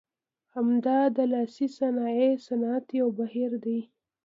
همدا د لاسي صنایع صنعت یو بهیر دی.